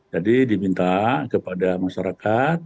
jadi diminta kepada masyarakat